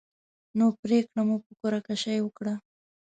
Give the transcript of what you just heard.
نو پرېکړه مو په قره کشۍ وکړه.